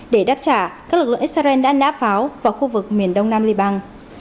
để đáp trả các lực lượng israel đã nã pháo vào khu vực miền đông nam liban